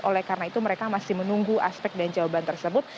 oleh karena itu mereka masih menunggu aspek dan jawaban tersebut